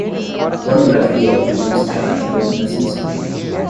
A pornografia é uma indústria ainda em ascensão